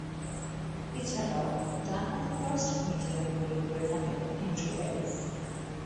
এছাড়াও ডানহাতে fast medium bowling করে থাকেন অ্যান্ড্রু এলিস।